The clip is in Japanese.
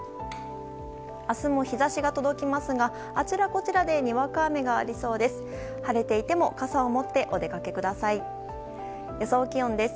明日も日差しが届きますがあちらこちらでにわか雨がありそうです。